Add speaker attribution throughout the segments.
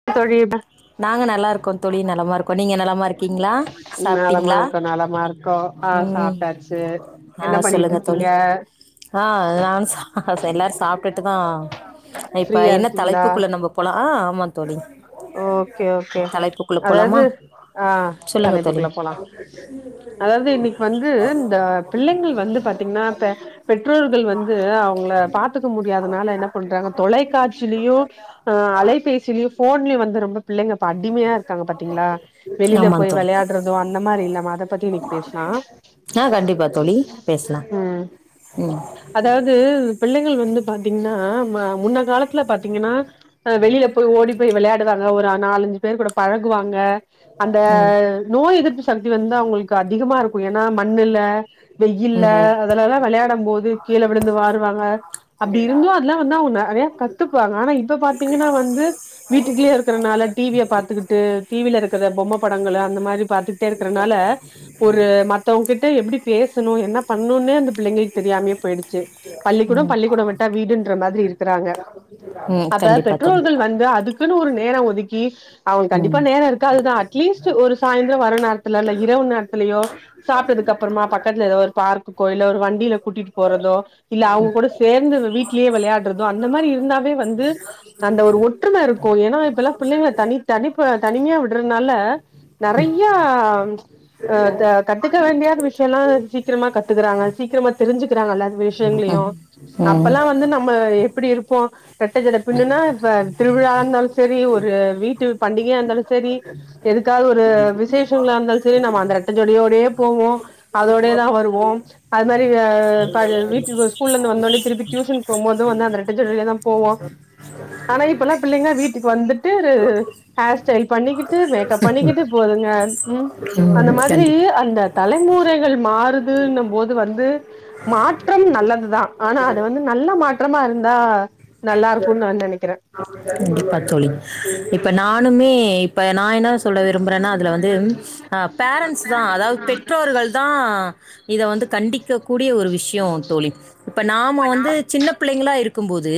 Speaker 1: [inaudible]
Speaker 2: நாங்க நல்லா இருக்கோ தோழி நலமா இருக்கோ நீங்க நலமா இருக்கீங்ளா
Speaker 1: நலமா
Speaker 2: சாப்பிட்டீங்ளா
Speaker 1: இருக்கோ நலமா இருக்கோ ஆ
Speaker 2: ம்
Speaker 1: சாப்ட்டாச்சு என்ன
Speaker 2: ஆ
Speaker 1: பண்ணிட்டு
Speaker 2: சொல்லுங்க தோழி
Speaker 1: இருக்கீங்க
Speaker 2: ஆ நா எல்லாரு சாப்ட்டுட்டு தா இப்ப
Speaker 1: ஃப்ரீயா
Speaker 2: என்ன
Speaker 1: இருக்கீங்களா
Speaker 2: தலைப்புக்குள்ள நம்ம போல ஆ தோழி
Speaker 1: ஓகே ஓகே
Speaker 2: தலைப்புக்குள்ளே போகலாமா
Speaker 1: அதாது ஆ
Speaker 2: சொல்லுங்க தோழி
Speaker 1: தலைப்புக்குள்ள போலா அதாது இன்னைக்கு வந்து இந்த பிள்ளைங்கள் வந்து பாத்தீங்ன்னா பெ பெற்றோர்கள் வந்து அவங்கள பாத்துக்க முடியாதனால என்ன பண்றாங்க தொலைக்காட்சிலயு அ அலைபேசிலயு போன்லயு வந்து ரொம்ப பிள்ளைங்க இப்ப அடிமையா இருக்காங்க பாத்தீங்ளா வெளியில
Speaker 2: ஆமாம்
Speaker 1: போய்
Speaker 2: தோழி
Speaker 1: விளையாடுறதோ அந்த மாரி இல்லாமா அத பத்தி இன்னைக்கு பேசலா
Speaker 2: ஆ கண்டிப்பா தோழி பேசலாம்
Speaker 1: ம்
Speaker 2: ம்
Speaker 1: அதாவது பிள்ளைகள் வந்து பாத்தீங்கனா முன்ன காலத்து ல பாத்தீங்கனா வெளியில போய் ஓடி போய் விளையாடுவாங்க ஒரு நாலஞ்சு பேர் கூட பழகுவாங்க அந்த
Speaker 2: ம்
Speaker 1: நோய் எதிர்ப்பு சக்தி வந்து அவுங்களுக்கு அதிகமா இருக்கு ஏன்னா மண்ணுல வெயில்ல
Speaker 2: ம்
Speaker 1: அதெலல்லா விளையாடும் போது கீழ விழுந்து வாருவாங்க அப்டி இருந்து அதெல்லா வந்து அவுங்க நறைய கத்துப்பங்க ஆனா இப்ப பாத்தீங்கன்னா வந்து வீட்டுக்குள்ளே இருக்கறனால டிவிய பாத்துக்கிட்டு டிவில இருக்கிற பொம்ம படங்கள அந்த மாரி பாத்துக் கிட்டே இருக்கறனால ஒரு மத் தவுங்ககிட்ட எப்டி பேசணு என்ன பண்ணுன்னே அந்த பிள்ளைங்களுக்கு தெரியாமே போயிடுச்சு பள்ளிக்கூடம்
Speaker 2: ம்
Speaker 1: பள்ளிக்கூட விட்டா வீடுன்ற மாதிரி இருக்க றாங்க
Speaker 2: ம்
Speaker 1: அப்ப
Speaker 2: கண்டிப்பாக தோழி
Speaker 1: பெற்றோர்கள் வந்து அதுக்குன்னு ஒரு நேரோ ஒதுக்கி அவுங்க
Speaker 2: ம்
Speaker 1: கண்டிப்பா நேரோ இருக் காதுதா அட்லீஸ்ட் ஒரு சாயந்திர வர நேரத்துல இல்ல இரவு நேரத்துலயோ சாப்ட்டதுக்கு அப்பறமா பக்கத்துல ஏதோ ஒரு பார்க்கு கோயிலோ ஒரு வண்டியில கூட்டிட்டு போறதோ இல்ல அவுங்க கூட சேர்ந்து வீட்லே விளையாடுறதோ அந்த மாதிரி இருந்தாவே வந்து
Speaker 2: ம்
Speaker 1: அந்த ஒரு ஒற்றும இருக்கு ஏன்னா இப்பெல்லா பிள்ளைங்க தனி தனிப்ப தனிமையா விடுறனால நறையா அ த கத்துக்க வேண்டியாத விஷய எல்லா சீக்கிரமா கத்துக்கறாங்க சீக்கிரமா தெரிஞ்சுக்குறாங்க அல்லா வி
Speaker 2: ம்
Speaker 1: ஷயங்களையு
Speaker 2: ம் ம்
Speaker 1: அப்பல்லா வந்து நம்ம எப்டி இருப்போ ரெட்ட ஜட பின்னுனா இப்ப திருவிழா இருந்தாலு செரி ஒரு வீட்டு பண்டிகையா இருந்தாலு செரி எதுக்காவது ஒரு விசேஷங்ளா இருந்தாலு செரி நம்ம அந்த ரெட்ட ஜடையோடியே போவோ அதோடே தா வருவோ அது மாரி அ இப்ப வீட்டுக்கு ஸ்கூல்ல இருந்து வந்தோனே திருப்பி டியூஷன் போ போதும் வந்து அந்த ரெட்ட ஜடையோடையே தா போவோ ஆனா இப்பல்லா பிள்ளைங்க வீட்டுக்கு வந்துட்டு ஹேர் ஸ்டைல் பண்ணிக்கிட்டு மேக்கப் பண்ணிக்கிட்டு போதுங்க ம் அந்த மாதிரி
Speaker 2: கண்டிப்பாக
Speaker 1: அந்த தலைமுறைகள் மாறுதுன்னும் போது வந்து மாற்றம் நல்லதுதா ஆனா அது வந்து நல்ல மாற்றமா இருந்தா நல்லா இருக்கு நா நெனைக்கிற
Speaker 2: ஆமாங்க கண்டிப்பா தோழி இப்ப நானுமே இப்ப நா என்ன சொல்ல விரும்புறன்னா அதுல வந்து ஆ பேரண்ட்ஸ் தா அதாவது பெற்றோர்கள் தா இத வந்து கண்டிக்க கூடிய ஒரு விஷியோ தோழி இப்ப நாம வந்து சின்ன பிள்ளைங்களா இரு க்கும்போது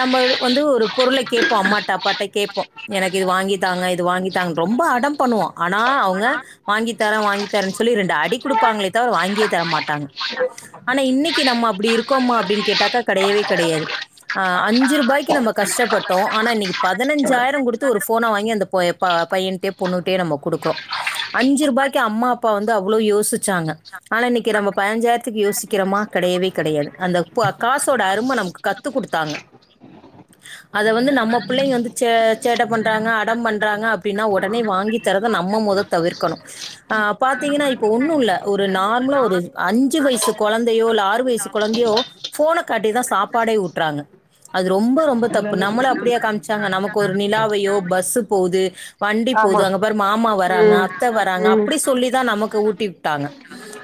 Speaker 2: நம்ம வந்து ஒரு பொருள கேட்போ அம்மாட்ட அப்பாட்ட கேட்போ எனக்கு இது வாங்கித்தாங்க இது வாங்கித்தாங்கு ரொம்ப அடம் பண்ணுவோ ஆனா அவுங்க வாங்கி தர வாங்கி தரன்னு சொல்லி ரெண்டு அடி குடுப்பாங்ளே தவிர வாங்கியே தர மாட்டாங்க ஆனா இன்னைக்கு நம்ம அப்டி இருக்கோமா அப்டின்னு கேட்டாக்கா கடையவே கடையாது ஆ அஞ்சு ரூபாய்க்கு நம்ம கஷ்டப்பட் டோ ஆனா இன்னைக்கி பதினஞ்சாயிரம் குடுத்து ஒரு போன வாங்கி அந்த பையன்ட்டே பொண்ணுட்டே நம்ம குடுக்குறோ அஞ்சு ரூபாய்க்கு அம்மா அப்பா வந்து அவ்ளோ யோசிச்சாங்க ஆனா இன்னைக்கி நம்ம பதிஞ்சாயிரத்துக்கு யோசிக்கிறமா கடையவே கடையாது அந்த காசோட அரும்ம நமக்கு கத்து குடுத்தாங்க அத வந்து நம்ம பிள்ளைங்க வந்து ச சேட்ட பண்றாங்க அடம் பண்றாங்க அப்டின்னா ஒடனே வாங்கி தரது நம்ம மொத தவிர்க்கணு ஆ பாத்தீங்கன்னா இப்ப ஒன்னு இல்ல ஒரு நார்மலா ஒரு அஞ்சு வயசு கொழந்தையோ இல்ல ஆறு வயசுக்குக் கொழந்தையோ ஃபோன காட்டி தா சாப்பாடே ஊட்றாங்க அது ரொம்ப ரொம்ப தப்பு நம்மள அப்படியா காமிச்சாங்க நமக்கு ஒரு நிலாவையோ பஸ்ஸு போது வண்டி போது
Speaker 1: ஆமா
Speaker 2: அங்க பாரு மாமா வராங்க
Speaker 1: ம்
Speaker 2: அத்த வராங்க
Speaker 1: ம்
Speaker 2: அப்படி சொல்லிதா நமக்கு ஊட்டி விட்டாங்க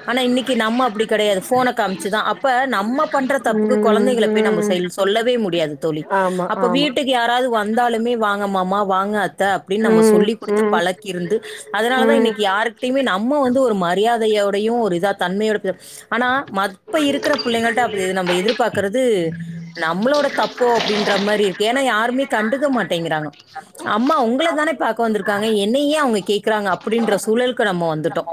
Speaker 2: ஆனா இன்னைக்கு நம்ம அப்படி கெடையாது ஃபோன காமிச்சுதா அப்ப நம்மப் பண்ற தப்புக்கு கொழந்தைகள போய் நம்ம
Speaker 1: ம் ம்
Speaker 2: செயல் சொ சொல்லவே முடியாது தோழி
Speaker 1: ஆமா
Speaker 2: அப்ப
Speaker 1: ஆமா
Speaker 2: வீட்டுக்கு யாராவது வந்தாலுமே வாங்க மாமா வாங்க அத் த அப்டின் நம்ம
Speaker 1: ம்
Speaker 2: சொல்லி குடுத்து
Speaker 1: ம்
Speaker 2: பழக்கி இருந்து அதனால தா
Speaker 1: ம்
Speaker 2: இன்னைக்கு யாருகிட்டையுமே நம்ம வந்து ஒரு மரியாதையோடையு ஒரு இதா தன்மையோட ஆனா மப்ப இருக்கிற பிள்ளைங்கள்ட நம்ம எதிர்பாக்கறது நம்மளோட தப்போ அப்படின் ற மாரி இருக்கு ஏனா யாருமே கண்டுக்க மாட்டேங்கிறாங்க அம்மா உங்கள தானே பாக்க வந்திருக்காங்க என் என்னயே அவங்க கேக்குறாங்க அப்படின்ற சூழலுக்கு நம்ம வந்துட்டோ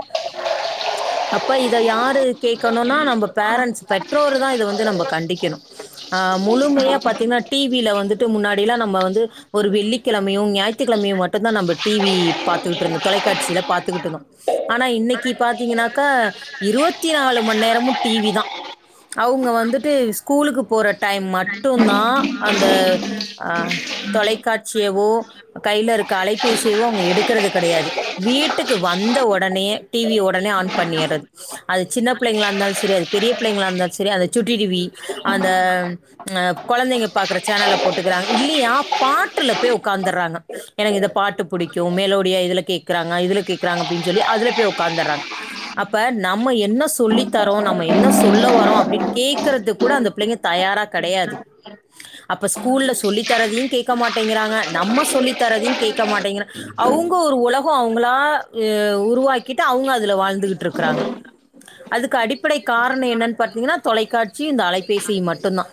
Speaker 2: அப்ப இத யாரு கேக்கணுனா நம்ம பேரண்ட்ஸ் பெற்றோரு தா இத வந்து நம்ப கண்டிக்கணு ஆ முழுமையா பாத்தீங்ன்னா டிவில வந்துட்டு முன்னாடி எல்லா நம்ம வந்து ஒரு வெள்ளிக் கிழமையு ஞாயிற்றுகிழமையு மட்டு தா நம்ப டிவி பாத்துகிட்டு இருந்தோ தொலைக்காட்சியில பாத்துகிட்டு இருந்தோ ஆனா இன்னைக்கு பாத்தீங்கன்னாக்கா இருவத்தி நாலு மணி நேரமு டிவி தா அவங்க வந்துட்டு ஸ்கூலுக்கு போற டைம் மட்டுந்தா அந்த அ தொலைக்காட்சியவோ கையில இருக்க அலைபேசியவோ அவங்க எடுக்கிறது கெடையாது வீட்டுக்கு வந்த ஒடனயே டிவி ஒடனே ஆன் பண்ணிறது அது சின்ன பிள்ளைங்ளா இருந்தாலு சரி அது பெரிய பிள்ளைங்ளா இருந்தாலு சரி அத சுட்டி டிவி அந்த அ கொழந்தைங்க பாக்குற சேனல போட்டுக்கிறாங்க இல்லையா பாட்டுல போய் உட்கார்ந்தறாங்க எனக்கு இந்த பாட்டு புடிக்கு மெலோடியா இதுல கேக்குறாங்க இதுல கேக்குறாங்க அப்டினு சொல்லி அதுல போய் உகாந்துறாங்க அப்ப நம்ம என்ன சொல்லித் தரோ நம்ம என்ன சொல்ல வரோ அப்டின் கேக்கறதுக் கூட அந்த பிள்ளைங் தயாரா கெடையாது அப்ப ஸ்கூல்ல சொல்லி தரதையு கேக்க மாட்டேங்கிறாங்க நம்ம சொல்லி தரதையு கேக்க மாட்டேங்கிறாங் அவுங்க ஒரு உலக அவுங்களா அ உருவாக்கிட்டு அவங்க அதுல வாழ்ந்துகிட்டு இருக்கிறாங்க அதுக்கு அடிப்படை காரண என்னனு பாத்தீங்கன்னா தொலைக்காட்சி இந்த அலைபேசியு மட்டுந்தா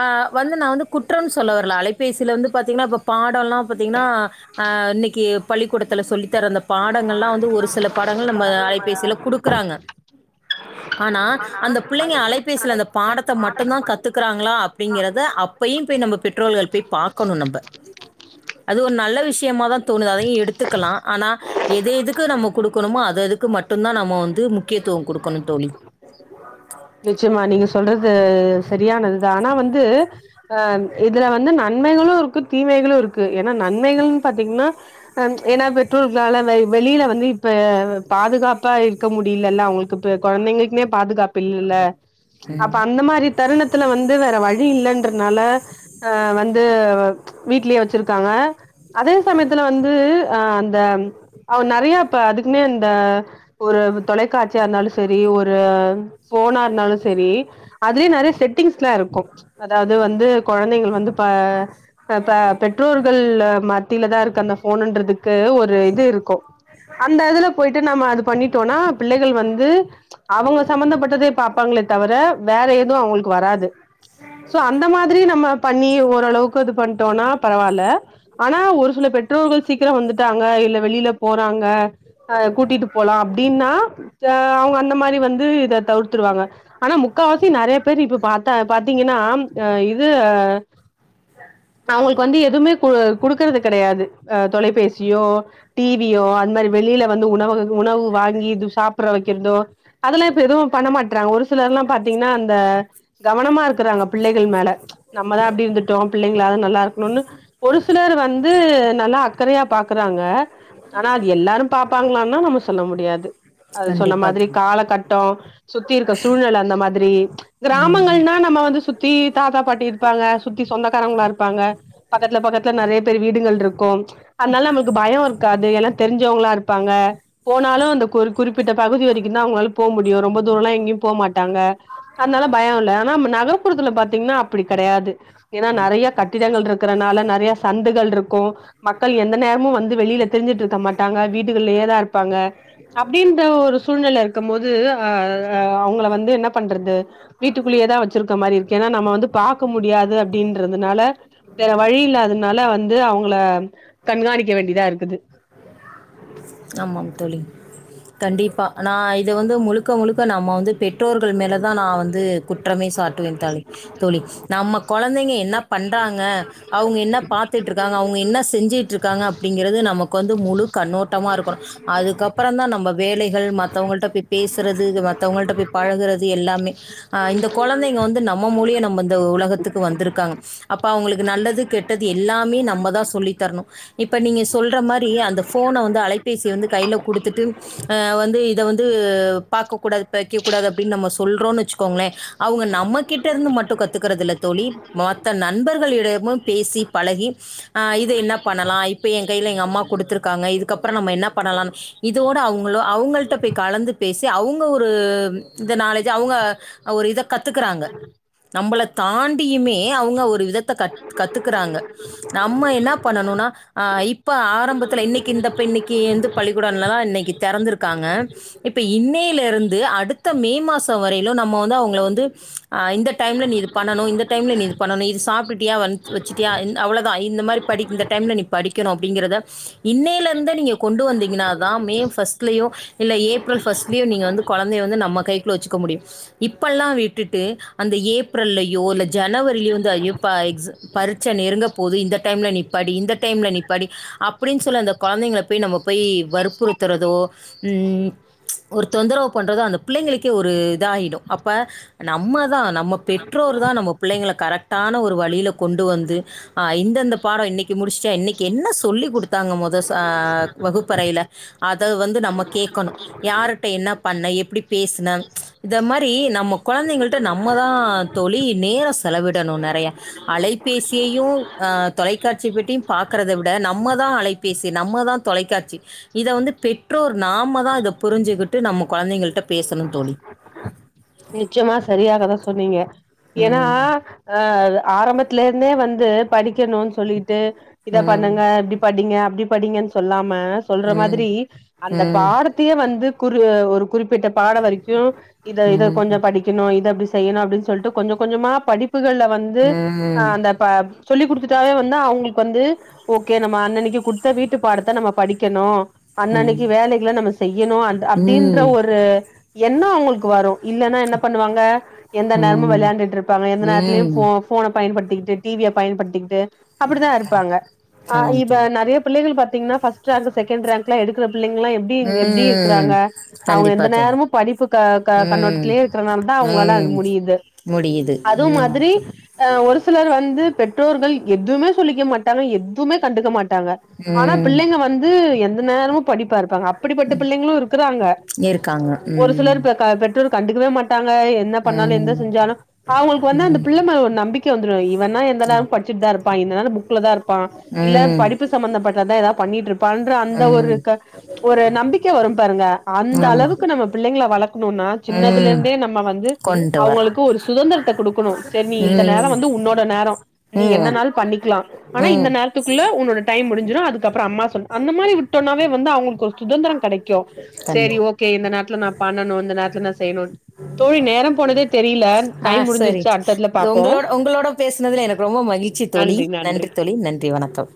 Speaker 2: ஆ வந்து நா வந்து குற்றன் சொல்ல வரல அலைபேசியில வந்து பாத்தீங்கன்னா இப்ப பாடோலா பாத்தீங்கன்னா ஆ இன்னக்கி பள்ளிக்கூடத்துல சொல்லித்தர அந்த பாடங்கள்லா வந்து ஒரு சில பாடங்க நம்ம அலைபேசியில குடுக்குறாங்க ஆனா அந்த புள்ளைங்க அலைபேசில அந்த பாடத்த மட்டுந்தா கத்துக்கிறாங்களா அப்டிங்கிறது து அப்பையு போய் நம்ப பெற்றோர்கள் போய் பாக்கணு நம்ப அது ஒரு நல்ல விஷயமா தா தோணுது அதையு எடுத்துக்கலா ஆனா எது எதுக்கு நம்ம குடுக்கணுமோ அது அதுக்கு மட்டுந்தா நம்ம வந்து முக்கியத்துவ குடுக்கணு தோழி
Speaker 1: நிச்சயமா நீங்க சொல்றது சரியானது தா ஆனா வந்து அ இதுல வந்து நன் நன்மைகளு இருக்கு தீமைகளு இருக்கு ஏனா நன்மைகள்னு பாத்தீங்னா அ ஏனா பெற்றோர்களால வெளியில வந்து இப்ப பாதுகாப்பா இருக்க முடியலல்ல அவங்களுக்கு இப்ப கொழந்தைங்களுக்குனே பாதுகாப் பு இல்ல
Speaker 2: ம்.
Speaker 1: அப்ப அந்த மாரி தருணத்துல வந்து வேற வழி இல்லன்றனால அ வந்து வீட்லயே வச்சிருக்காங்க அதே சமயத்துல வந்து அ அந்த அவ நெறைய இப்ப அதுக்குனே இந்த ஒரு தொலைக்காட்சியா இருந்தாலு சரி ஒரு ஃபோனா இருந்தாலு செரி அதுலயே நெறைய செட்டிங்ஸ்ல்லா இருக்கு அதாவது வந்து கொழந்தைகள் வந்து ப அஹ் ப பெற்றோர்கள் மத் மத்தில தா இருக்கு அந்த ஃபோனுன்றதுக்கு ஒரு இது இருக்கு அந்த இதுல போயிட்டு நம்ம அது பண்ணிட்டோன்னா பிள்ளைகள் வந்து அவுங்க சம்பந்தப்பட்ட தே பார்ப்பாங்களே தவிர வேற எதுவு அவங்களுக்கு வராது சோ அந்த மாதிரி நம்ம பண்ணி ஓரளவுக்கு இது பண்ணிட்டோம்னா பரவாயில்ல ஆனா ஒரு சில பெற்றோர்கள் சீக்கிரோ வந்துட்டாங்க இல்ல வெளியில போறாங்க அஹ் கூட்டிட்டு போலா அப்டின்னா அஹ் அவுங்க அந்த மாதிரி வந்து இத தவுர்த் துருவாங்க ஆனா முக்காவாசி நெறைய பேர் இப்ப பாத் அ பாத்தீங்கன்னா இது அவுங்களுக்கு வந்து எதுவுமே கொ குடுக்கறது கெடையாது அஹ் தொலைபேசியோ டி வி யோ அது மாதிரி வெளியில வந்து உணவு உணவு வாங்கி இது சாப்புட வைக்கிறதோ அதெல்லா இப்ப எதுவு பண்ண மாட்டறாங்க ஒரு சிலர் எல்லா பார்த்தீங்கன்னா அந்த கவனமா இருக்கிறாங்க பிள்ளைகள் மேல நம்மதா அப்டி இருந்துட்டோ பிள்ளைங்களாவது நல்லா இருக் க்கனும்னு ஒரு சிலர் வந்து நல்லா அக்கறையா பாக்குறாங்க ஆனா அது எல்லாரு பாப்பாங்களான்னா நம்ம சொல்ல முடியாது அது சொன்ன
Speaker 2: கண்டிப்பா
Speaker 1: மாதிரி
Speaker 2: தோழி.
Speaker 1: கால கட்ட ட்டோ சுத்தி இருக்கிற சூழ்நிலே அந்த மாதிரி
Speaker 2: ம்.
Speaker 1: கிராமங்கள்னா நம்ம வந்து சுத்தி தாத்தா பாட்டி இருப்பாங்க சுத்தி சொந்தக்காரவுங்களா இருப்பாங்க பக்கத்துல பக்கத்துல நெறைய பேர் வீடுகள் இருக்கு அதுனால நம்மளுக்கு பயோ இருக்க காது எல்லா தெரிஞ்சவங்களா இருப்பாங்க போனாலு அந்த கு குறிப்பிட்ட பகுதி வரைக்கு தா அவுங்களால போக முடியு ரொம்ப தூர் தூரோம்லா எங்கேயு போ மாட்டாங்க அதனால பயோ இல்ல ஆனா நம்ம நகர்புறத்துல பாத்தீங்கன்னா அப்டி கெடையாது ஏன்னா நெறைய கட்டிடங்கள் இருக்கறனால நெறைய சந்துகள் இருக்கு மக்கள் எந்த நேரமு வந்து வெளியில திரிஞ்சுட்டு இருக்க மாட்டாங்க வீட்டுகள்லயேதா இருப்பாங்க அப்பிடின்ற ஒரு சூழ்நில இருக்கு போது அஹ் அவுங்கள வந்து என்ன பண்றது வீட்டுக்குள்ளேயே தா வச்சிருக்கிற மாதிரி இருக்கு ஏன்னா நம்ம வந்து பாக்க முடியாது அப்பிடின்றதுனால வேற வழி இல்லாததுனாலே வந்து அவுங்கள கண்காணிக்க வேண்டியதா இருக்குது
Speaker 2: ஆமாங்க தோழி கண்டிப்பா நா இத வந்து முழுக் முழுக்க முழுக்க நம்ம வந்து பெற்றோர்கள் மேலதா நா வந்து குற்றமே சாட்டுவே தோழி தோழி நம்ம கொழந்தைங்க என்ன பண்றாங்க அவுங்க என்ன பாத்துட்டு இருக்காங்க அவுங்க என்ன செஞ்சுட்டு இருக்காங்க அப்டிங்கறது நம வந்து முழு கண்ணோட்டமா இருக்கணு அதுக்கப்பரோ தா நம்ம வேலைகள் மத்தவங்கள்ட போய் பேசுறது மத்தவங்கள்ட போய் பழகுறது எல்லாமே அஹ் இந்த குழந்தைங்க வந்து நம்ம மூலிய நம்ம இந்த உலகத்துக்கு வந்திருக்காங்க அப்ப அவுங்களுக்கு நல்லது கெ கெட்டது எல்லாமே நம்ம தா சொல்லி தரணு இப்ப நீங்க சொல்ற மாரி அந்த போன வந்து அலைபேசிய வந்து கைல கொடுத்துட்டு ஆஹ் வந்து இத வந்து ப பாக்க கூடாது வைக்க கூடாது அப்டின்னு நம்ம சொல்றோனு வச்சுக்கோங்களே அவுங்க நம்மகிட்ட இருந்து மட்டு கத்துக்கறது இல்ல தோழி மொத்த நண்பர்களிடமு பேசி பழகி அஹ் இத என்ன பண்ணலா இப்ப எ கையில எங்க அம்மா கொடுத்துருக்க க்காங்க இதுக்கப்பரோ நம்ம என்ன பண்ணலா இதோட அவுங்களோ அவுங்கள்ட போய் கலந்து பேசி அவுங்க ஒரு இந்த நாளைக்கு அவுங்க ஒரு இத கத்துக்கிறாங்க நம்மள தாண் யுமே அவுங்க ஒரு விதத்த கத்துக்கறாங்க நம்ம என்ன பண்ணனும்னா இப்ப ஆரம்பத்துல இன்னைக்கி இந்தப்ப இன்னைக்கி எந்து பள்ளிக்கூடல்லா இன்னைக்கி திறந்திருக்காங்க இப்ப இன்னையில இருந்து அடுத்த மே மாசோ வரையிலு நம்ம வந்து அவங்கள வந்து ஆ இந்த டைம்ல நீ இது பண்ணணு இந்த டைம்ல நீ இது பண்ணணு இது சாப்டிட்டியா வ வச்சுட்டியா அவ்ளோதா இந்த மாரி படி இந்த டைம்ல நீ படிக்கணு அப்டிங்கறத இன்னைல ந்தே நீங்க கொண்டு வந்தீங்கன்னா தா மே ஃபஸ்ட்லயோ இல்ல ஏப்ரல் ஃபர்ஸ்ட்லயோ நீங்க வந்து கொழந்தைய வந்து நம்ம கைக்குள்ள வச்சுக்க முடியு இப்பல்லா விட்டுட்டு அந்த ஏப்ரல்லயோ இல்ல ஜனவரிலயோ வந்து ஐயோ ப எக்ஸ் பரிட்ச நெருங்க போது இந்த டைம்ல நீ படி இந்த டைம்ல நீ படி அ ப்டின் சொல்லி அந்த கொழந்தைங்கள போய் நம்ம போய் வற்புறுத்துறதோ ம் ஒரு தொந்தரோவு பண்றது அந்த பிள்ளைங்களுக்கே ஒரு இதாயிடு அப்ப நம்ம தா நம்ம பெற்றோர் தா நம்ம பிள்ளைங்கள கரெக்டான ஒரு வழில கொண்டு வந்து ஆ இந்தெந்த பாடோ இன்னக்கி முடிச்டியா இன்னக்கி என்ன சொல்லிக்குடுத் தாங்க மொத ஸ் ஆ வகுப்பறைல அத வந்து நம்ம கேக்கணு யாரிட்ட என்ன பண்ண எப்டி பேசுன இத மாரி நம்ம கொழந்தைங்கள் ட்ட நம்ம தா தோழி நேரோ செலவிடனு நறையா அலைபேசியையு ஆ தொலைக்காட்சி பெட்டியு பாக்கறத விட நம்ம தா அலைபேசி நம்ம தா தொலைக்காட்சி இத வந்து பெற்றோர் நாம தா இத புரிஞ்சுகிட்டு நம்ம கொழந்தைகள்ட்ட பேசணு தோழி
Speaker 1: நிச்சயமா சரியாகதா சொன்னீங்க ஏனா
Speaker 2: ம்
Speaker 1: ஆ ஆரம்பத்லேர்ந்தே வந்து படிக்கனுன் சொல்லிட்டு இத
Speaker 2: ம்
Speaker 1: பண்ணுங்க இப்டி படிங்க அப்டி படிங்கன் சொல்லாம சொல்ற
Speaker 2: ம் ம்
Speaker 1: மாதிரி
Speaker 2: ம்
Speaker 1: அந்த
Speaker 2: ம்
Speaker 1: பாடத் திய வந்து குறி ஒரு குறிப்பிட்ட பாடோ வரைக்கு இத இத கொஞ்சோ
Speaker 2: ம்
Speaker 1: படிக்கணு இது அப்டி செய்யணு அப்டின் சொல்ட்டு கொஞ்ச கொஞ்சமா படிப்புகள்ல வந்து ஆ
Speaker 2: ம்
Speaker 1: அந்த ப்ப சொல்லி குடுத்துட்டாவே வந்து அவுங்ளுக்கு வந்து ஓகே நம்ம அன்னன்னக்கி குட்த்த வீட்டு பாடத்த நம்ம படிக்கணு அன்னன்னக்கி வேலைகள நம்ம செய்யணு அந் அப்டின்ற ஒரு எண்ணோ அவுங்களுக்கு வரு இல்லனா என்ன பண்ணுவாங்க எந்த நேரமு
Speaker 2: ம்
Speaker 1: வெளயாண்டுட்ருப்பாங்க எந்த நேரத்லயு
Speaker 2: ம்
Speaker 1: ஃபோ ஃபோன பயன்படுத்திக்கிட்டு டிவிய பயன்படுத்திக்கிட்டு அப்டிதா இருப்பாங்க ஆ
Speaker 2: ஆமாம்
Speaker 1: இப்ப
Speaker 2: தோழி
Speaker 1: நறைய புள்ளைகள் பாத்தீங்கன்னா first rank second rank லா எடுக்ற பிள்ளைங்ளா எப்டிங் எப்டி
Speaker 2: ம்
Speaker 1: இருக்குறாங்க அவுங்க
Speaker 2: கண்டிப்பா
Speaker 1: எந்த
Speaker 2: தோழி
Speaker 1: நேரமு படிப்பு க க கண்ணோட்
Speaker 2: ம்
Speaker 1: ருக்கறனால தா அவுங்ளால அது
Speaker 2: ம்
Speaker 1: முடிது
Speaker 2: முடியுது
Speaker 1: அது
Speaker 2: ம் ஆமாம்
Speaker 1: மாதிரி
Speaker 2: தோழி
Speaker 1: ஆ ஒரு சிலர் வந்து பெற்றோர்கள் எதுமே சொல்லிக்க மாட்டாங்க எதுமே கண்டுக்க மாட்டாங்க ஆனா
Speaker 2: ம்
Speaker 1: பிள்ளைங்க வந்து எந்த நேரமு படிப்பாருப்பாங்க அ அப்டிப்பட்ட பிள்ளைங்ளு இருக்கறாங்க
Speaker 2: இருக்காங்க
Speaker 1: ஒரு
Speaker 2: ம்
Speaker 1: சிலர் ப க பெற்றோர் கண்டுக்கவே மாட்டாங்க என்ன பண்ணாலு எந்த
Speaker 2: ம்
Speaker 1: செஞ்சாலு அவுங்களுக்கு வந்து அந்த
Speaker 2: ம்
Speaker 1: பிள்ள மேல ஒரு நம்பிக்க வந்துரு இவனா எந்த நேரமு பட்ச்சிட் தாருப்பா எந்த நேரமு புக்ல தாருப்பா இல்ல
Speaker 2: ம்
Speaker 1: படிப்பு சம்மந்தப்பட்டதா எதா பண்ணிட்ருப்பான்ற அந்த
Speaker 2: ம்
Speaker 1: ஒரு க ஒரு நம்பிக்க வரும் பாருங்க
Speaker 2: ஆமா
Speaker 1: அந்தளவுக்கு நம்ம பிள்ளைங்ள வளக்ணுனா
Speaker 2: ம்
Speaker 1: சின்னதுலந்தே நம்ம வந்து
Speaker 2: கொண்டு வர
Speaker 1: அவுங்களுக்கு ஒரு சுதந்திரத்த குடுக்கனு செர் நீ இந்த நேரோ
Speaker 2: ம்
Speaker 1: வந்து உன்னோட நேரோ நீ என்னனால் பண்ணிக்லா ஆனா
Speaker 2: ம் ம்
Speaker 1: இந்த நே ரத்துக்குள்ள உன்னோட டைம் முடிஞ்சிரு அதுக்கப்றோ அம்மா சொ அந்த மாரி விட்டோனாவே வந்து அவுங்களுக்கு ஒரு சுதந்திரோ கெடைக்கு சேரி
Speaker 2: கண்டி
Speaker 1: ஓகே இந்த நேரத்துல நா பண்ணணு இந்த நேரத்துல நா செய்ணுன் தோழி நேரோ போனதே தெரியல
Speaker 2: ஆ
Speaker 1: டைம்
Speaker 2: செரி
Speaker 1: முடிஞ்சிருச்சு அடுத்ததுல
Speaker 2: இத
Speaker 1: பாப்போ
Speaker 2: உங்களோட உங்களோட பேசுனதுல எனக்கு ரொம்ப மகிழ்ச்சி தோழி நன்றி தோழி நன்றி வணக்கம்